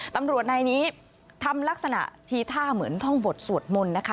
ตำรวจนายนี้ทำลักษณะทีท่าเหมือนท่องบทสวดมนต์นะคะ